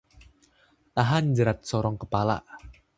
Tahan jerat sorong kepala